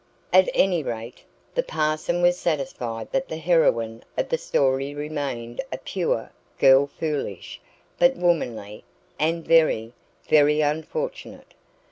At any rate, the parson was satisfied that the heroine of the story remained a "pure" girl foolish, but womanly, and very, very unfortunate.